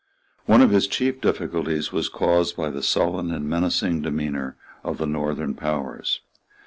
One of his chief difficulties was caused by the sullen and menacing demeanour of the Northern powers.